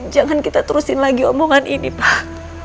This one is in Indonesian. jangan kita terusin lagi omongan ini pak